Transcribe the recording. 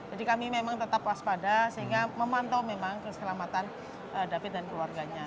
jadi kami memang tetap waspada sehingga memantau memang keselamatan david dan keluarganya